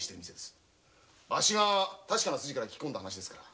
確かな筋から聞き込んだんですから。